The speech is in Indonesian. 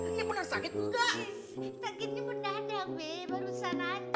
takutnya benar be barusan aja